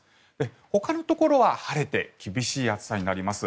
ほかのところは晴れて厳しい暑さになります。